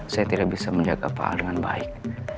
saya tidak bisa menjaga pak aldebaran dengan baik